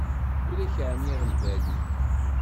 Ur ak-ɛniɣ lbali.